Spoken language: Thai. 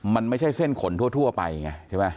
มันไม่ใช่เส้นขนทั่วไปไงใช่ไหม